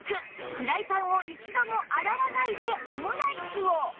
フライパンを一度も洗わないでオムライスを